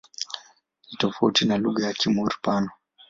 Ni tofauti na lugha ya Kimur-Pano.